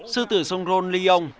sư tử songron lyon